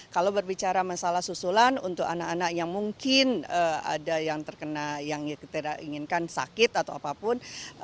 kalau berbicara masalah susulan untuk anak anak yang mungkin ada yang terkena yang tidak inginkan sakit atau apapun